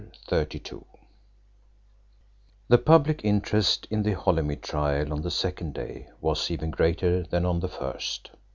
CHAPTER XXXII The public interest in the Holymead trial on the second day was even greater than on the first.